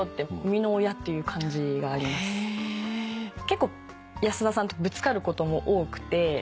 結構安田さんとぶつかることも多くて。